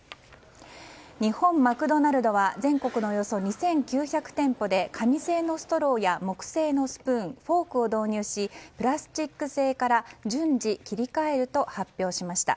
日本マクドナルドは全国のおよそ２９００店舗で紙製のストローや、木製のスプーン、フォークを導入しプラスチック製から順次切り替えると発表しました。